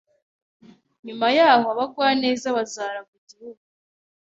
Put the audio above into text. Nyuma y’aho abagwaneza bazaragwa igihugu,